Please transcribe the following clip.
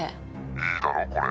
「いいだろこれ。